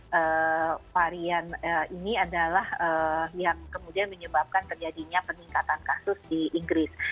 jadi varian ini adalah yang kemudian menyebabkan terjadinya peningkatan kasus di inggris